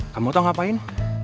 kamu tau ngapain